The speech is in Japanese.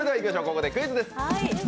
ここでクイズです。